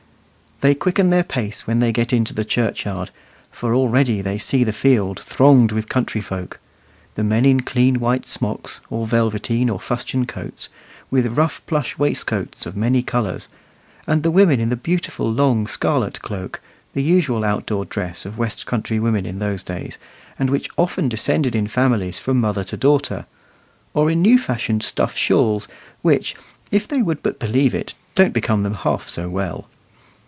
They quicken their pace when they get into the churchyard, for already they see the field thronged with country folk; the men in clean, white smocks or velveteen or fustian coats, with rough plush waistcoats of many colours, and the women in the beautiful, long scarlet cloak the usual out door dress of west country women in those days, and which often descended in families from mother to daughter or in new fashioned stuff shawls, which, if they would but believe it, don't become them half so well.